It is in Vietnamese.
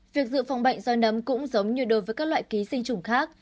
việc dự phòng bệnh do nấm cũng giống như đối với các loại ký sinh chủng khác